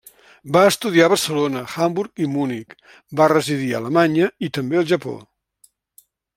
Va estudiar a Barcelona, Hamburg i Munic, va residir a Alemanya i també al Japó.